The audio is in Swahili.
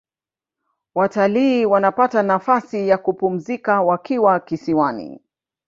watalii wanapata nafasi ya kupumzika wakiwa kisiwani